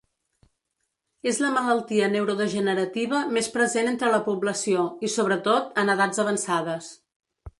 És la malaltia neurodegenerativa més present entre la població, i sobretot, en edats avançades.